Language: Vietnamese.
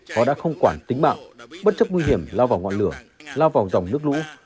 họ đã không quản tính mạng bất chấp nguy hiểm lao vào ngọn lửa lao vào dòng nước lũ